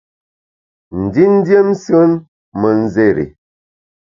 Ndindiem nsùen me nzéri i.